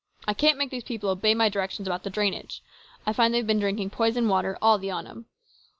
I can't make these people obey my directions about the drainage. I find they've been drinking poisoned water all the autumn.